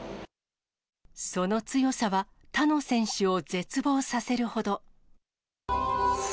その強さは、他の選手を絶望させるほど。